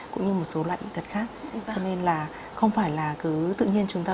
cũng như một số loại bệnh tật khác cho nên là không phải là cứ tự nhiên chúng ta